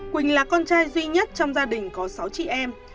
quỳnh là con trai duy nhất trong gia đình có sáu chị em